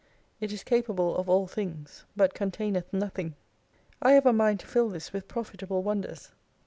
It is capable of all things, but containeth nothing. I have a mind to fill this witl profitable wonders.